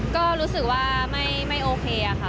ก็รู้สึกว่าไม่โอเคค่ะ